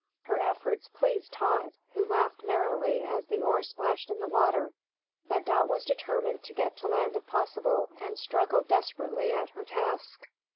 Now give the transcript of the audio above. Her efforts pleased Tot, who laughed merrily as the oar splashed in the water; but Dot was determined to get to land if possible and struggled desperately at her task.